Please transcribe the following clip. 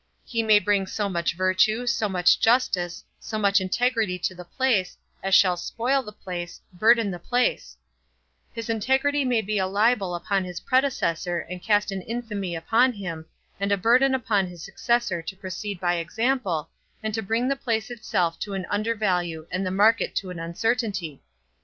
He may bring so much virtue, so much justice, so much integrity to the place, as shall spoil the place, burthen the place; his integrity may be a libel upon his predecessor and cast an infamy upon him, and a burthen upon his successor to proceed by example, and to bring the place itself to an undervalue and the market to an uncertainty.